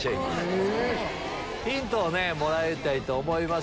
ヒントをもらいたいと思います